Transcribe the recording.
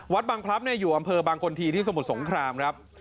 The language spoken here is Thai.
วัดบางพลับเนี้ยอยู่อำเภอบางคนทีที่สมุทรสงคราม